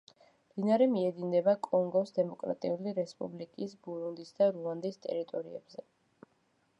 მდინარე მიედინება კონგოს დემოკრატიული რესპუბლიკის, ბურუნდის და რუანდის ტერიტორიებზე.